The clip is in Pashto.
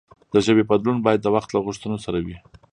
د ژبې بدلون باید د وخت له غوښتنو سره وي.